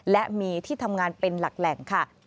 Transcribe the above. และมีที่ทำงานเป็นหลักแหล่งค่ะ